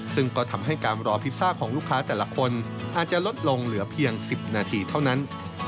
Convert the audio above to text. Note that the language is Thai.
ซึ่งก็ทำให้การรอพิซซ่าของลูกค้าแต่ละคนอาจจะลดลงเหลือเพียง๑๐นาทีเท่านั้น